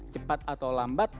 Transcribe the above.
cepat atau lambat